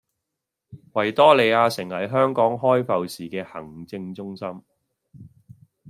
維多利亞城係香港開埠時嘅行政中心